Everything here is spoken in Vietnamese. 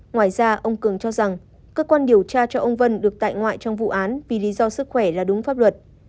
ngoài ra ông cường cho rằng cơ quan điều tra cho ông vân được tại ngoại trong vụ án vì lý do sức khỏe là đúng pháp luật